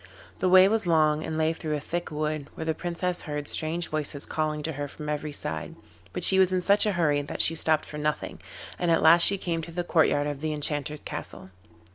The way was long, and lay through a thick wood, where the Princess heard strange voices calling to her from every side, but she was in such a hurry that she stopped for nothing, and at last she came to the courtyard of the Enchanter's castle.